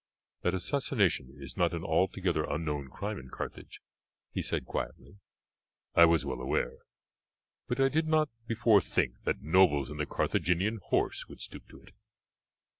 "That assassination is not an altogether unknown crime in Carthage," he said quietly, "I was well aware, but I did not before think that nobles in the Carthaginian horse would stoop to it.